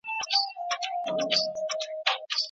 ایا مسلکي بڼوال چارمغز صادروي؟